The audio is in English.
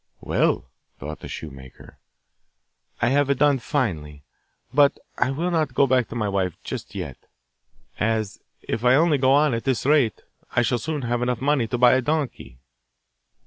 'Well,' thought the shoemaker, 'I have done finely. But I will not go back to my wife just yet, as, if I only go on at this rate, I shall soon have enough money to buy a donkey.